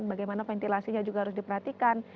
bagaimana ventilasinya juga harus diperhatikan